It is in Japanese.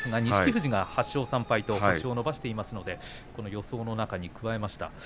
富士が８勝３敗と星を伸ばしていますので予想の中に加えました。